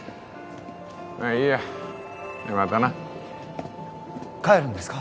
まあいいやじゃあまたな帰るんですか？